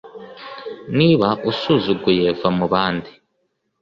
Niba usuzuguye va mubandi